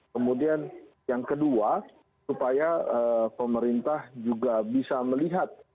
kemudian yang kedua supaya pemerintah juga bisa melihat